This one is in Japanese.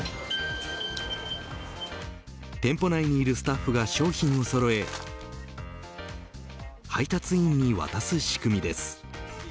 店舗内にいるスタッフが商品をそろえ配達員に渡す仕組みです。